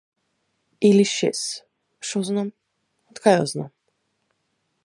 Или шес, шо знам, откај да знам.